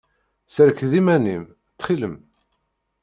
Serked iman-im, ttxil-m.